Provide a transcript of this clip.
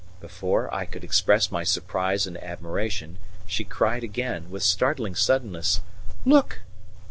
Before I could express my surprise and admiration she cried again, with startling suddenness: "Look!"